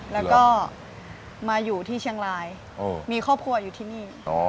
แล้วก็มาอยู่ที่เชียงรายมีครอบครัวอยู่ที่นี่